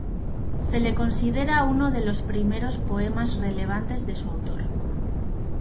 Se le considera uno de los primeros poemas relevantes de su autor.